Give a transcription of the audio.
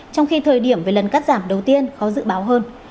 trong khi thời điểm về lần cắt giảm đầu tiên khó dự báo hơn